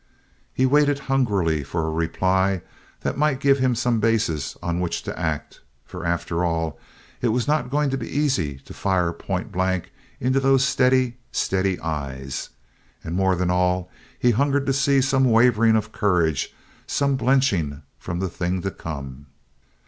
He waited hungrily for a reply that might give him some basis on which to act, for after all, it was not going to be easy to fire pointblank into those steady, steady eyes. And more than all, he hungered to see some wavering of courage, some blenching from the thing to come.